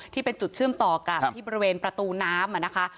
ที่เป็นจุดเชื่อมต่อกับที่บริเวณประตูน้ำนะคะ